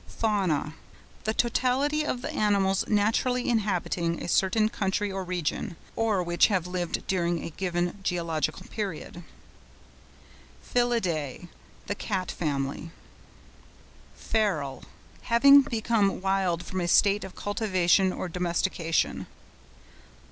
FAUNA.—The totality of the animals naturally inhabiting a certain country or region, or which have lived during a given geological period. FELIDÆ.—The Cat family. FERAL.—Having become wild from a state of cultivation or domestication.